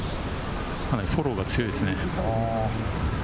かなりフォローが強いですね。